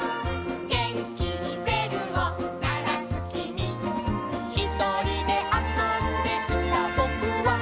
「げんきにべるをならすきみ」「ひとりであそんでいたぼくは」